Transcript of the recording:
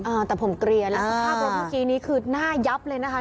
อ่าแต่ผมเกลียนแล้วสภาพรถเมื่อกี้นี้คือหน้ายับเลยนะคะ